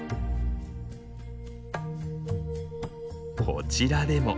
こちらでも。